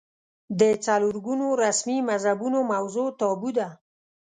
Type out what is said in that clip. د څلور ګونو رسمي مذهبونو موضوع تابو ده